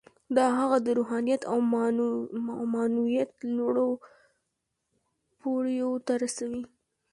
دا هغه د روحانیت او معنویت لوړو پوړیو ته رسوي